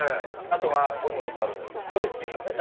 あとはここにもあるんですけどストレッチですね。